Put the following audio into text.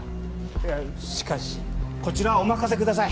いやしかしこちらはお任せください